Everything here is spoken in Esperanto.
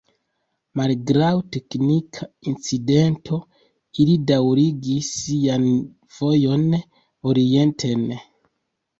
Malgraŭ teknika incidento, ili daŭrigis sian vojon orienten.